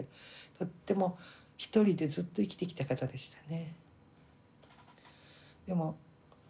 とっても一人でずっと生きてきた方でしたね。